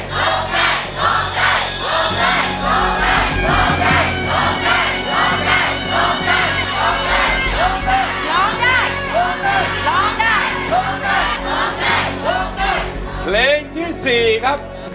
เพลงที่๔ของเขาดูสิว่าเขาจะทำสำเร็จหรือว่าร้องผิดครับ